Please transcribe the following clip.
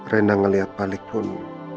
reena melihat balikpun